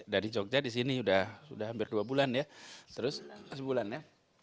dari jogja di sini sudah hampir dua bulan ya